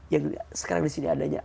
yang sekarang disini adanya